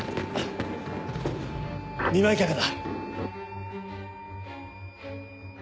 見舞客だ。